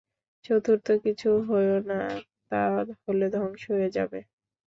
চতুর্থ কিছু হয়ো না, তা হলে ধ্বংস হয়ে যাবে।